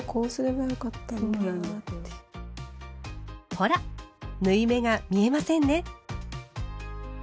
ほら縫い目が見えませんね。